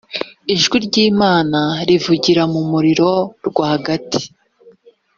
ijwi ry’imana rivugira mu muriro rwagati